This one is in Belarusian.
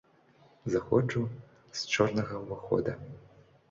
Заходжу з чорнага ўвахода.